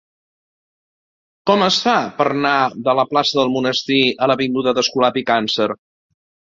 Com es fa per anar de la plaça del Monestir a l'avinguda d'Escolapi Càncer?